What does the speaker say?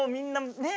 ねえ。